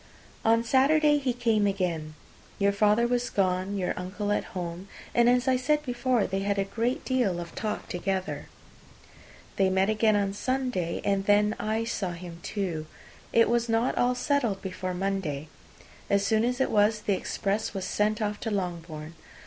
On Saturday he came again. Your father was gone, your uncle at home, and, as I said before, they had a great deal of talk together. They met again on Sunday, and then I saw him too. It was not all settled before Monday: as soon as it was, the express was sent off to Longbourn.